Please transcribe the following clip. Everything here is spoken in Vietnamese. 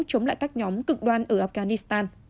chống lại các nhóm cực đoan ở afghanistan